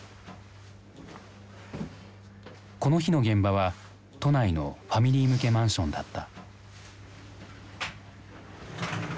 この日の現場は都内のファミリー向けマンションだった。